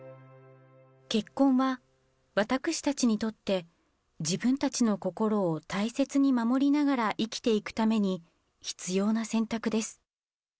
結婚は私たちにとって、自分たちの心を大切に守りながら生きていくために必要な選択です。